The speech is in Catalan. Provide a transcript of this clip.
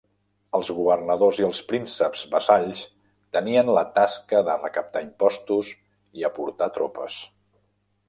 Els governadors i els prínceps vassalls tenien la tasca de recaptar impostos i aportar tropes.